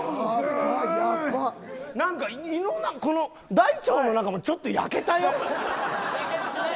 大腸の中もちょっと焼けたよ。